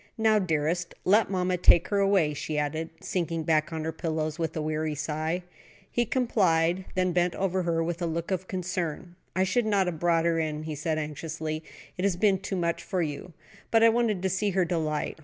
"Now, dearest, let mammy take her away," she added, sinking back on her pillows with a weary sigh. He complied, then bent over her with a look of concern. "I should not have brought her in," he said anxiously; "it has been too much for you." "But I wanted so to see her delight.